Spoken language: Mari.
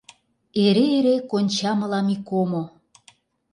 Эре-эре конча мылам ик омо.